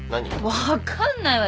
分かんないわよ！